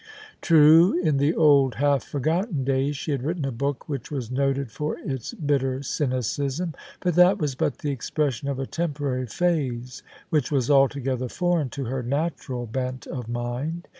True, in the old, half forgotten days, she had written a book which was noted for its bitter cynicism : but that was but the expression of a temporary phase which was altogether foreign to her natural bent of mind.